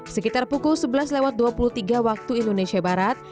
sekitar pukul sebelas lewat dua puluh tiga waktu indonesia barat